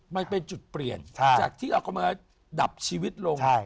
มันเป็นจุดเปลี่ยนจากที่เราเอามาดับชีวิตลง